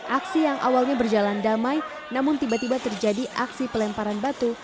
aksi yang awalnya berjalan damai namun tiba tiba terjadi aksi pelemparan batu